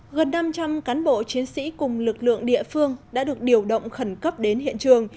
gần năm trăm linh cán bộ chiến sĩ cùng lực lượng địa phương đã được điều động khẩn cấp đến hiện trường